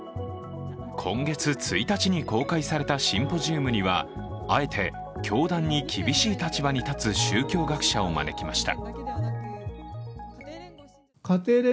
今月１日に公開されたシンポジウムではあえて、教団に厳しい立場に立つ宗教学者を招きました。